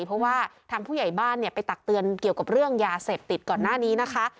เพราะว่าทางผู้ใหญ่บ้านเนี่ยไปตักเตือนเกี่ยวกับเรื่องยาเสพติดก่อนหน้านี้นะคะ